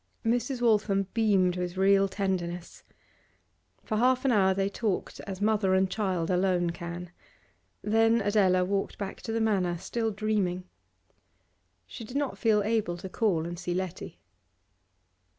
Mrs. Waltham beamed with real tenderness. For half an hour they talked as mother and child alone can. Then Adela walked back to the Manor, still dreaming. She did not feel able to call and see Letty.